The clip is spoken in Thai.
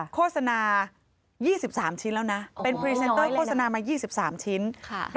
โฆษณา๒๓ชิ้นแล้วนะเป็นพรีเซนเตอร์โฆษณามา๒๓ชิ้น